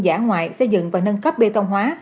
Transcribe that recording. giả ngoại xây dựng và nâng cấp bê tông hóa